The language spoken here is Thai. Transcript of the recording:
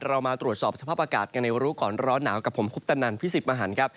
เรามาตรวจสอบสภาพอากาศกันในรู้ก่อนร้อนหนาวกับผมคุปตนันพิสิทธิ์มหันครับ